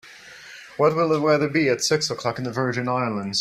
What will the weather be at six o'clock in the Virgin Islands?